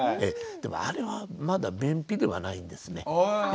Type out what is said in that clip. でもあれはまだ便秘ではないんですね。